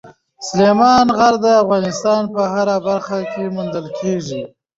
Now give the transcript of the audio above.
سلیمان غر د افغانستان په هره برخه کې موندل کېږي.